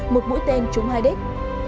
một mũi tên trúng hai đếch